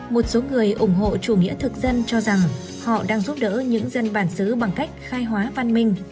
một số người ủng hộ chủ nghĩa thực dân cho rằng họ đang giúp đỡ những dân bản xứ bằng cách khai hóa văn minh